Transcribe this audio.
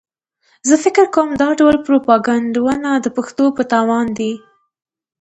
زه فکر کوم دا ډول پروپاګنډونه د پښتنو په تاوان دي.